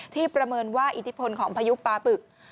ที่ประเมินว่าอิทธิพลของพยุคปาปึก